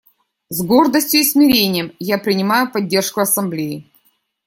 С гордостью и смирением я принимаю поддержку Ассамблеи.